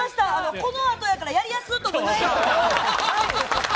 このあとやからやりやすっと思って。